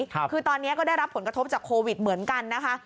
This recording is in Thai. คือตอนนี้ก็ได้รับผลกระทบจากโควิดเหมือนกันนะคะ